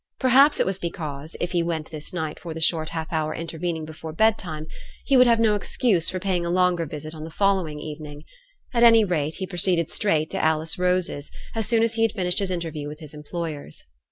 Perhaps it was because, if he went this night for the short half hour intervening before bed time, he would have no excuse for paying a longer visit on the following evening. At any rate, he proceeded straight to Alice Rose's, as soon as he had finished his interview with his employers.